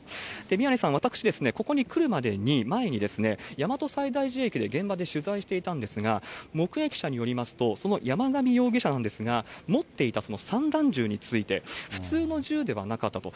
宮根さん、私ですね、ここに来る前に、大和西大寺駅で、現場で取材していたんですが、目撃者によりますと、その山上容疑者なんですが、持っていた散弾銃について、普通の銃ではなかったと。